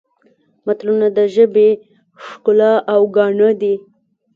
متلونه د ژبې ښکلا او ګاڼه دي